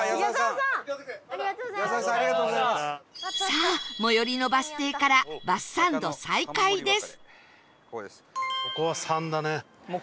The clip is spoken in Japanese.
さあ最寄りのバス停からバスサンド再開です